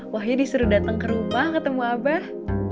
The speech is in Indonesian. wahyu disuruh datang ke rumah ketemu abah